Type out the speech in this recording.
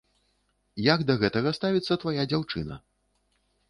Як да гэтага ставіцца твая дзяўчына?